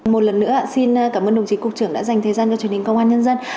một lần nữa xin cảm ơn đồng chí cục trưởng đã dành thời gian cho truyền hình công an nhân dân